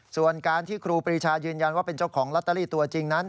ส่วนการที่ครูปรีชายืนยันว่าเป็นเจ้าของลอตเตอรี่ตัวจริงนั้น